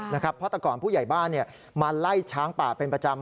เพราะแต่ก่อนผู้ใหญ่บ้านมาไล่ช้างป่าเป็นประจำ